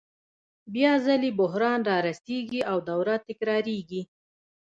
بیا ځلي بحران رارسېږي او دوره تکرارېږي